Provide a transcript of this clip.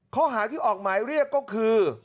ข้อหาที่ออกหมายเรียกก็คือ